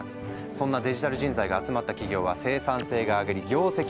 そんなデジタル人材が集まった企業は生産性が上がり業績もアップ。